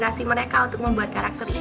aku er rsei hwheel m eman cah titik